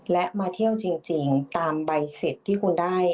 และมาเที่ยวจริงตามใบเสร็จที่คุณได้